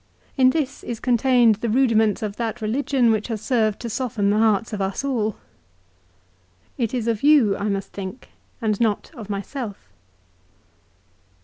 In this is contained the rudiments of that religion which has served to soften the hearts of us all. It is of you I must think, and not of myself.